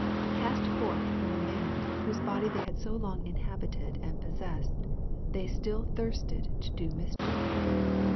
Cast forth from the man, whose body they had so long inhabited and possessed, they still thirsted to do mischief.